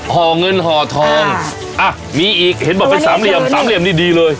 ห่อเงินห่อทองอ่ะมีอีกเห็นบอกเป็นสามเหลี่ยมสามเหลี่ยมนี่ดีเลย